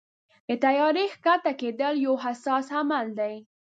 د طیارې کښته کېدل یو حساس عمل دی.